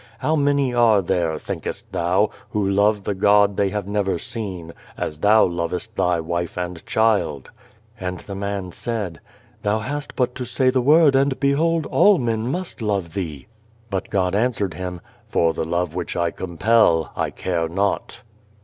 How many are there, thinkest thou, who love the God they have never seen, as thou lovest thy wife and child ?" And the man said :" Thou hast but to say the word, and behold all men must love Thee." But God answered him :" For the love which I compel, I care not."